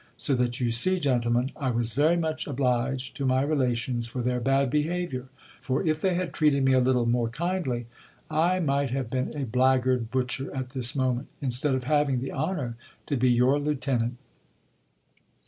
So that you see, gentlemen, I was very much ob liged to my relations for their bad hehaviour ; for if they had treated me a little more kindly, I might have been a blackguard butcher at this moment, instead of having the honour to be your lieutenant.